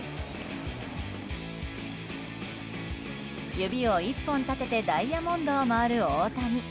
指を１本立ててダイヤモンドを回る大谷。